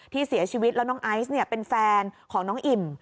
ที่เสียชีวิตแล้วน้องไอซ์เป็นแฟนของน้องอิ่ม